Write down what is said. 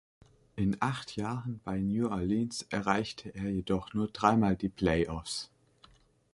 In acht Jahren bei New Orleans erreichte er jedoch nur dreimal die Playoffs.